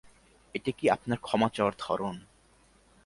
এটি কি আপনার ক্ষমা চাওয়ার ধরণ?